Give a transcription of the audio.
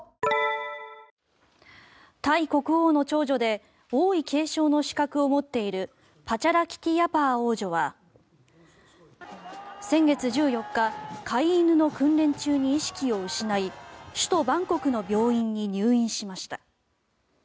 タイ国王の長女で王位継承の資格を持っているパチャラキティヤパー王女は先月１４日飼い犬の訓練中に意識を失い首都バンコクの病院に入院しました。